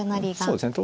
そうですね。